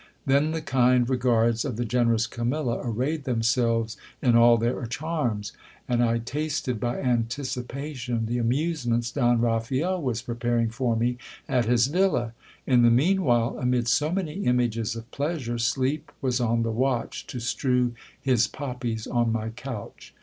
Then the kind regards of the generous Camilla arrayed themselves in all their :harms, and I tasted by anticipation the amusements Don Raphael was preparing "or me at his villa. In the mean while, amid so many images of pleasure, sleep •vas on the watch to strew his poppies on my couch.